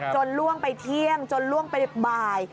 ล่วงไปเที่ยงจนล่วงไปบ่าย